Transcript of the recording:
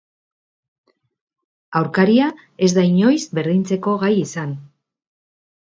Aurkaria ez da inoiz berdintzeko gai izan.